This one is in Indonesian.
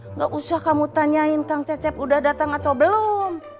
nggak usah kamu tanyain kang cecep udah datang atau belum